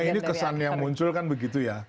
ini kesan yang muncul kan begitu ya